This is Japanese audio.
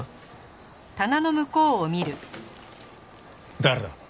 誰だ！？